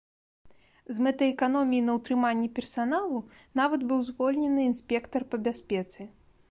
З мэтай эканоміі на ўтрыманні персаналу нават быў звольнены інспектар па бяспецы.